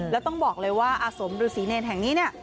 แล้วต้องบอกเลยว่าอาสมฤษีเนรแห่งนี้เนี่ย